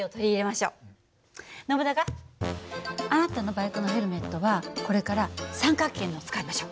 ノブナガあなたのバイクのヘルメットはこれから三角形のを使いましょう。